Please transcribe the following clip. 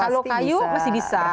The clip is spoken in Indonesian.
kalau kayu pasti bisa